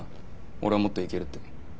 俺はもっといけるって。